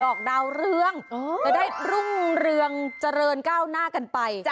อกดาวเรืองจะได้รุ่งเรืองเจริญก้าวหน้ากันไป